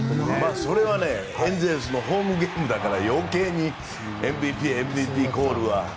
それはエンゼルスのホームゲームだから余計にＭＶＰコールは。